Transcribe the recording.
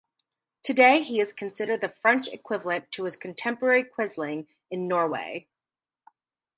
Today, he is considered the French equivalent to his contemporary Quisling in Norway.